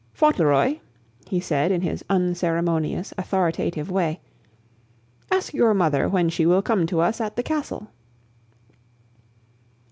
"Fauntleroy," he said in his unceremonious, authoritative way, "ask your mother when she will come to us at the Castle."